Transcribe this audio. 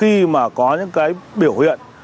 khi mà có những cái biểu hiện